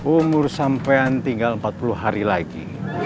umur sampean tinggal empat puluh hari lagi